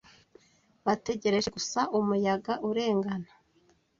Bategereje gusa umuyaga urengana.